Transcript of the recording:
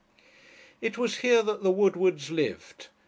It was here that the Woodwards lived.